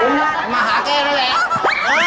มันมาหาเก่นแล้วกัน